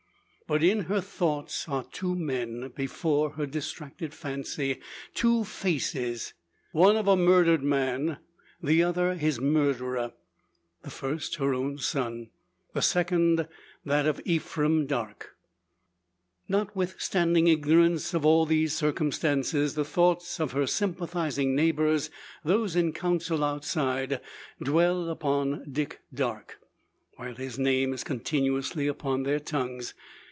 But in her thoughts are two men before, her distracted fancy two faces one of a murdered man, the other his murderer the first her own son, the second that of Ephraim Darke. Notwithstanding ignorance of all these circumstances, the thoughts of her sympathising neighbours those in council outside dwell upon Dick Darke; while his name is continuously upon their tongues.